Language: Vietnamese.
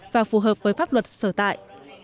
và phù hợp với pháp luật sở tại